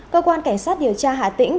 cơ quan cảnh sát điều tra hà tĩnh